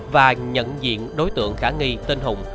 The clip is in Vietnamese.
và nhận diện đối tượng khả nghi tên hùng